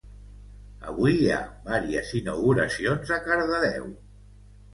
Avui hi ha vàries inauguracions a Cardedeu.